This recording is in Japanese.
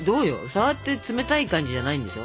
触って冷たい感じじゃないんでしょ？